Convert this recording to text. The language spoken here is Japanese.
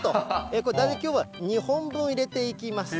これ、大体きょうは２本分を入れていきます。